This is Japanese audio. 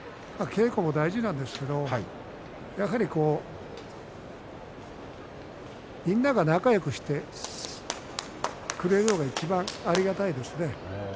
稽古も大事なんですけれどやはりみんなが仲よくしてくれるのがいちばんありがたいですね。